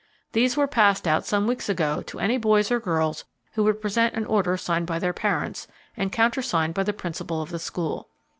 These were passed out some weeks ago to any boys or girls who would present an order signed by their parents, and countersigned by the principal of the school.